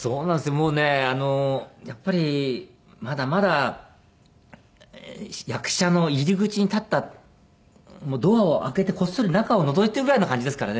もうねやっぱりまだまだ役者の入り口に立ったドアを開けてこっそり中をのぞいてるぐらいの感じですからね。